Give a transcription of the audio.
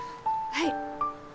はい。